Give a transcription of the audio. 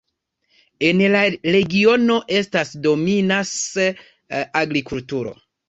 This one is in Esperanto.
En la regiono estas dominas agrikulturo.